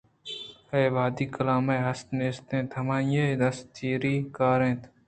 اے وہدی آکلام ءِاست ءُنیست اِنت ءُہمائی ءِ دست چیری ءَ کارا اَنت